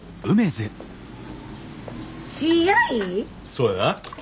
そうや。